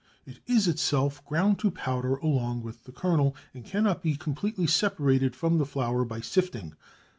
It is itself ground to powder along with the kernel, and cannot be completely separated from the flour by sifting.